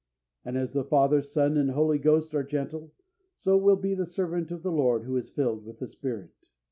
And as the Father, Son, and Holy Ghost are gentle, so will be the servant of the Lord who is filled with the Spirit.